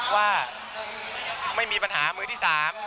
ว่าไม่มีปัญหามือที่๓